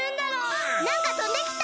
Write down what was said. あっなんかとんできた！